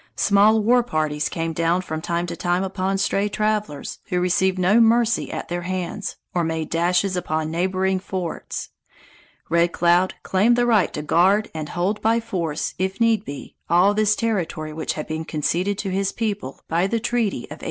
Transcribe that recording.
Small war parties came down from time to time upon stray travelers, who received no mercy at their hands, or made dashes upon neighboring forts. Red Cloud claimed the right to guard and hold by force, if need be, all this territory which had been conceded to his people by the treaty of 1868.